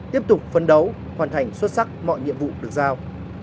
tiếp tục phấn đấu hoàn thành xuất sắc mọi nhiệm vụ được giao